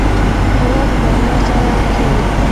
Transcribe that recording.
ښوروا د بامیا سره پخیږي.